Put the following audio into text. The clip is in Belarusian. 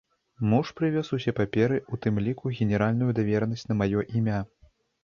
Муж прывёз усе паперы, у тым ліку генеральную даверанасць на маё імя.